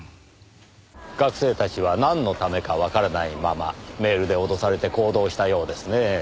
学生たちはなんのためかわからないままメールで脅されて行動したようですねぇ。